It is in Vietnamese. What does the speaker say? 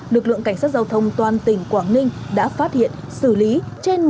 lực lượng cảnh sát giao thông toàn tỉnh quảng ninh đã phát hiện xử lý trên một năm trăm linh